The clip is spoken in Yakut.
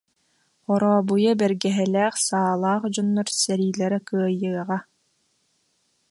Хорообуйа бэргэһэлээх саалаах дьоннор сэриилэрэ кыайыаҕа